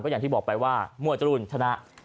ก็อย่างที่บอกไปว่ามั่วจรุลชนะ